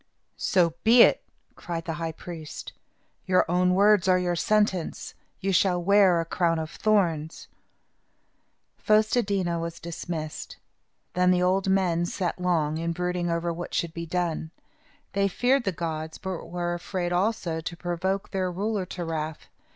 "So be it," cried the high priest. "Your own words are your sentence. You shall wear a crown of thorns." Fos te di' na was dismissed. Then the old men sat long, in brooding over what should be done. They feared the gods, but were afraid, also, to provoke their ruler to wrath.